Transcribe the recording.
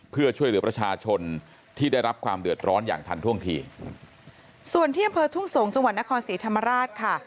เพื่อช่วยเหลือประชาชนที่ได้รับความเดือดร้อนอย่างทันท่วงทีส่วนที่อำเภอทุ่งสงศ์จังหวัดนครศรีธรรมราชค่ะ